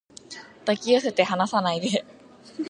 抱き寄せて離さないで